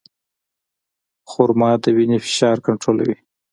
خرما د وینې فشار کنټرولوي.